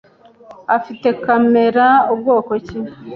afite kamera bwoko ki?